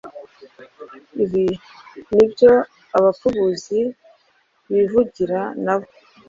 Ibi ni ibyo abapfubuzi bivugira nabo